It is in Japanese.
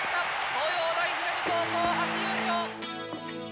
東洋大姫路高校初優勝！